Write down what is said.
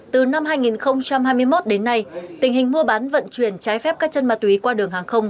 từ năm hai nghìn hai mươi một đến nay tình hình mua bán vận chuyển trái phép các chân ma túy qua đường hàng không